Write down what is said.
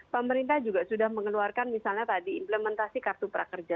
pemerintah juga sudah mengeluarkan misalnya tadi implementasi kartu prakerja